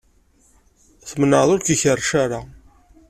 Tmenɛeḍ ur k-ikerrec ara.